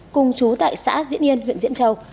cùng trú tại xã diễn yên huyện diễn châu